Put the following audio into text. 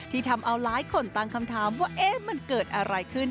ที่ทำเอาหลายคนตามคำถามว่าเอ๊ะมันเกิดอะไรขึ้น